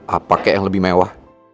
apa kayak yang lebih mewah